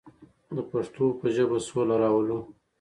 د پښتو په ژبه سوله راولو.